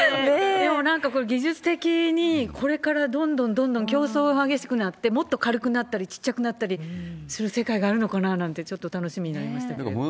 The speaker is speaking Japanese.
でもなんか、技術的にこれからどんどんどんどん競争が激しくなって、もっと軽くなったり小っちゃくなったりする世界があるのかななんて、ちょっと楽しみになりましたけれども。